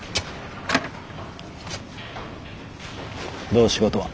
どう仕事は？